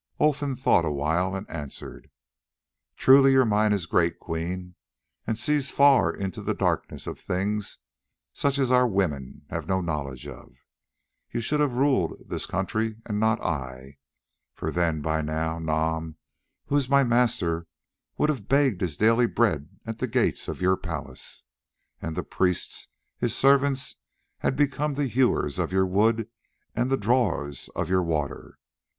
Olfan thought awhile and answered: "Truly your mind is great, Queen, and sees far into the darkness of things such as our women have no knowledge of. You should have ruled this country and not I, for then by now Nam, who is my master, would have begged his daily bread at the gates of your palace, and the priests his servants had become the hewers of your wood and the drawers of your water.